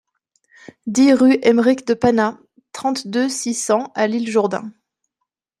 dix rue Aymeric de Panat, trente-deux, six cents à L'Isle-Jourdain